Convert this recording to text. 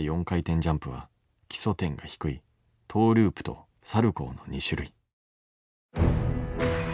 ４回転ジャンプは基礎点が低いトーループとサルコーの２種類。